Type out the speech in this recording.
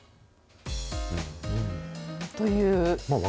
という。